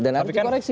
dan harus dikoreksi